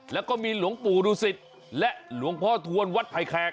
แล้วก็มีหลวงปู่ดูสิตและหลวงพ่อทวนวัดไผ่แขก